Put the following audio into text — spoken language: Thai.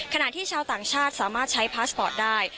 ขณะที่ชาวต่างชาติสามารถใช้พาสปอร์ตได้